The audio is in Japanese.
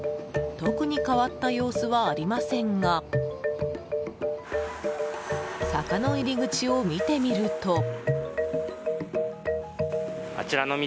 特に変わった様子はありませんが坂の入り口を見てみると。